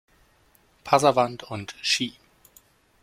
Passavant & Cie.